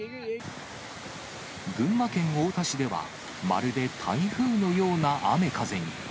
群馬県太田市では、まるで台風のような雨風に。